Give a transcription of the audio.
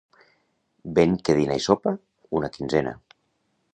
Vent que dina i sopa, una quinzena.